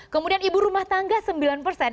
kemudian ibu rumah tangga sembilan persen